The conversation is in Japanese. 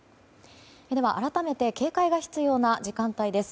では、改めて警戒が必要な時間帯です。